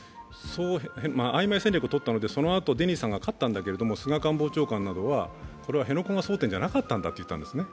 あいまい戦略をとったのでそのあとデニーさんが勝ったんだけど菅官房長官などはこれは辺野古が争点じゃなかったんだと言ったんですね。